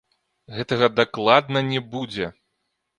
Гэтага дакладна не будзе!